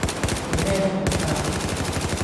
係咩都無晒